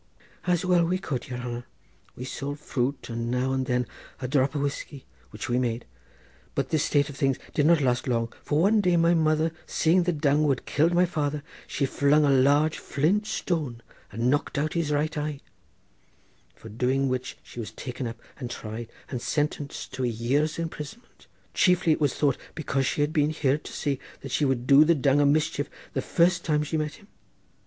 "As well as we could, yere hanner; we sold fruit and now and then a drop of whiskey which we made; but this state of things did not last long, for one day mother seeing the dung who had killed my father she flung a large flint stone and knocked out his right eye, for doing which she was taken up and tried and sentenced to a year's imprisonment, chiefly it was thought because she had been heard to say that she would do the dung a mischief the first time she met him.